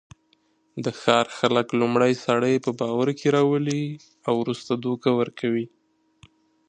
د ښار خلک لومړی سړی په باورکې راولي، ورسته دوکه ورکوي.